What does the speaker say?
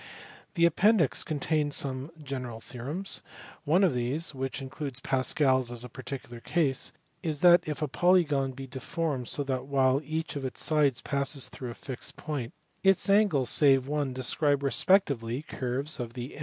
The appendix contains some general theorems. One of these (which includes Pascal s as a particular case) is that if a polygon be deformed so that while each of its sides passes through a fixed point, its angles (save one) describe respectively curves of the